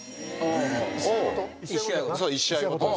１試合ごとな。